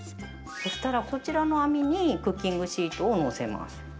そしたら、そちらの網にクッキングシートを載せます。